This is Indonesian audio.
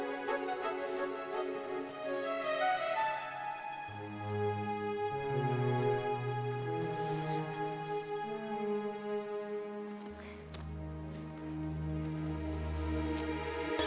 nah nggak pake lama kok